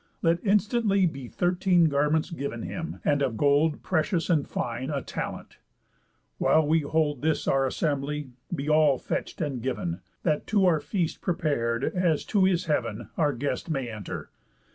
Let instantly Be thirteen garments giv'n him, and of gold Precious, and fine, a talent. While we hold This our assembly, be all fetch'd, and giv'n, That to our feast prepar'd, as to his heav'n, Our guest may enter.